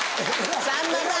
さんまさん。